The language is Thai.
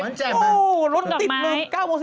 มันแจบนะดอกไม้รถติดหนึ่ง๙โมง๑๑โมง